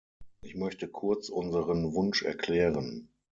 Ich möchte kurz unseren Wunsch erklären.